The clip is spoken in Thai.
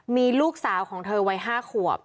มีลูกสาวของเธอวัย๕ขวบ